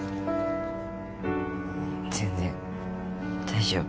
全然大丈夫